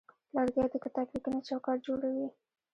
لرګی د کتابلیکنې چوکاټ جوړوي.